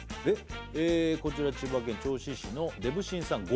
えこちら千葉県銚子市のデブしんさん